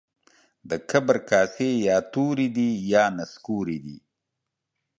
د کبر کاسې يا توري دي يا نسکوري دي.